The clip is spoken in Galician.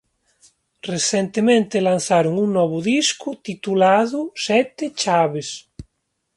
Recentemente lanzaron un novo disco titulado "Sete Chaves".